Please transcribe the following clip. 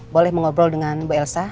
boleh mengobrol dengan bu elsa